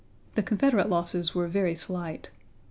The Confederate losses were very slight.